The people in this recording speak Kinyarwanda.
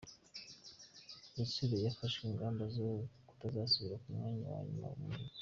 Rutsiro yafashe ingamba zo kutazasubira ku mwanya wa nyuma mu mihigo